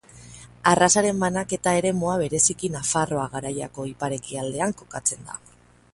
Arrazaren banaketa eremua bereziki Nafarroa Garaiako ipar-ekialdean kokatzen da.